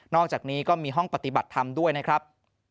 อกจากนี้ก็มีห้องปฏิบัติธรรมด้วยนะครับ